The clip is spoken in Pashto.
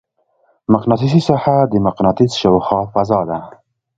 مقناطیسي ساحه د مقناطیس شاوخوا فضا ده.